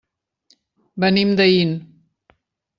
Venim d'Aín.